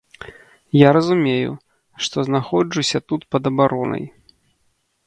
Я разумею, што знаходжуся тут пад абаронай.